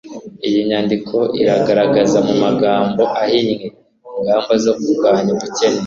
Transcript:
iyi nyandiko iragaragaza, mu magambo ahinnye, ingamba zo kurwanya ubukene